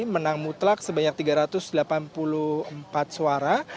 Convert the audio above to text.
menang mutlak sebanyak tiga ratus delapan puluh empat suara